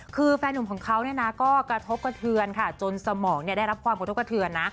คือแฟนหนุ่มของเขาก็กระทบกระเทือนค่ะจนสมองได้รับความกระทบกระเทือนนะ